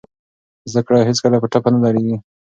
زده کړه هېڅکله په ټپه نه دریږي.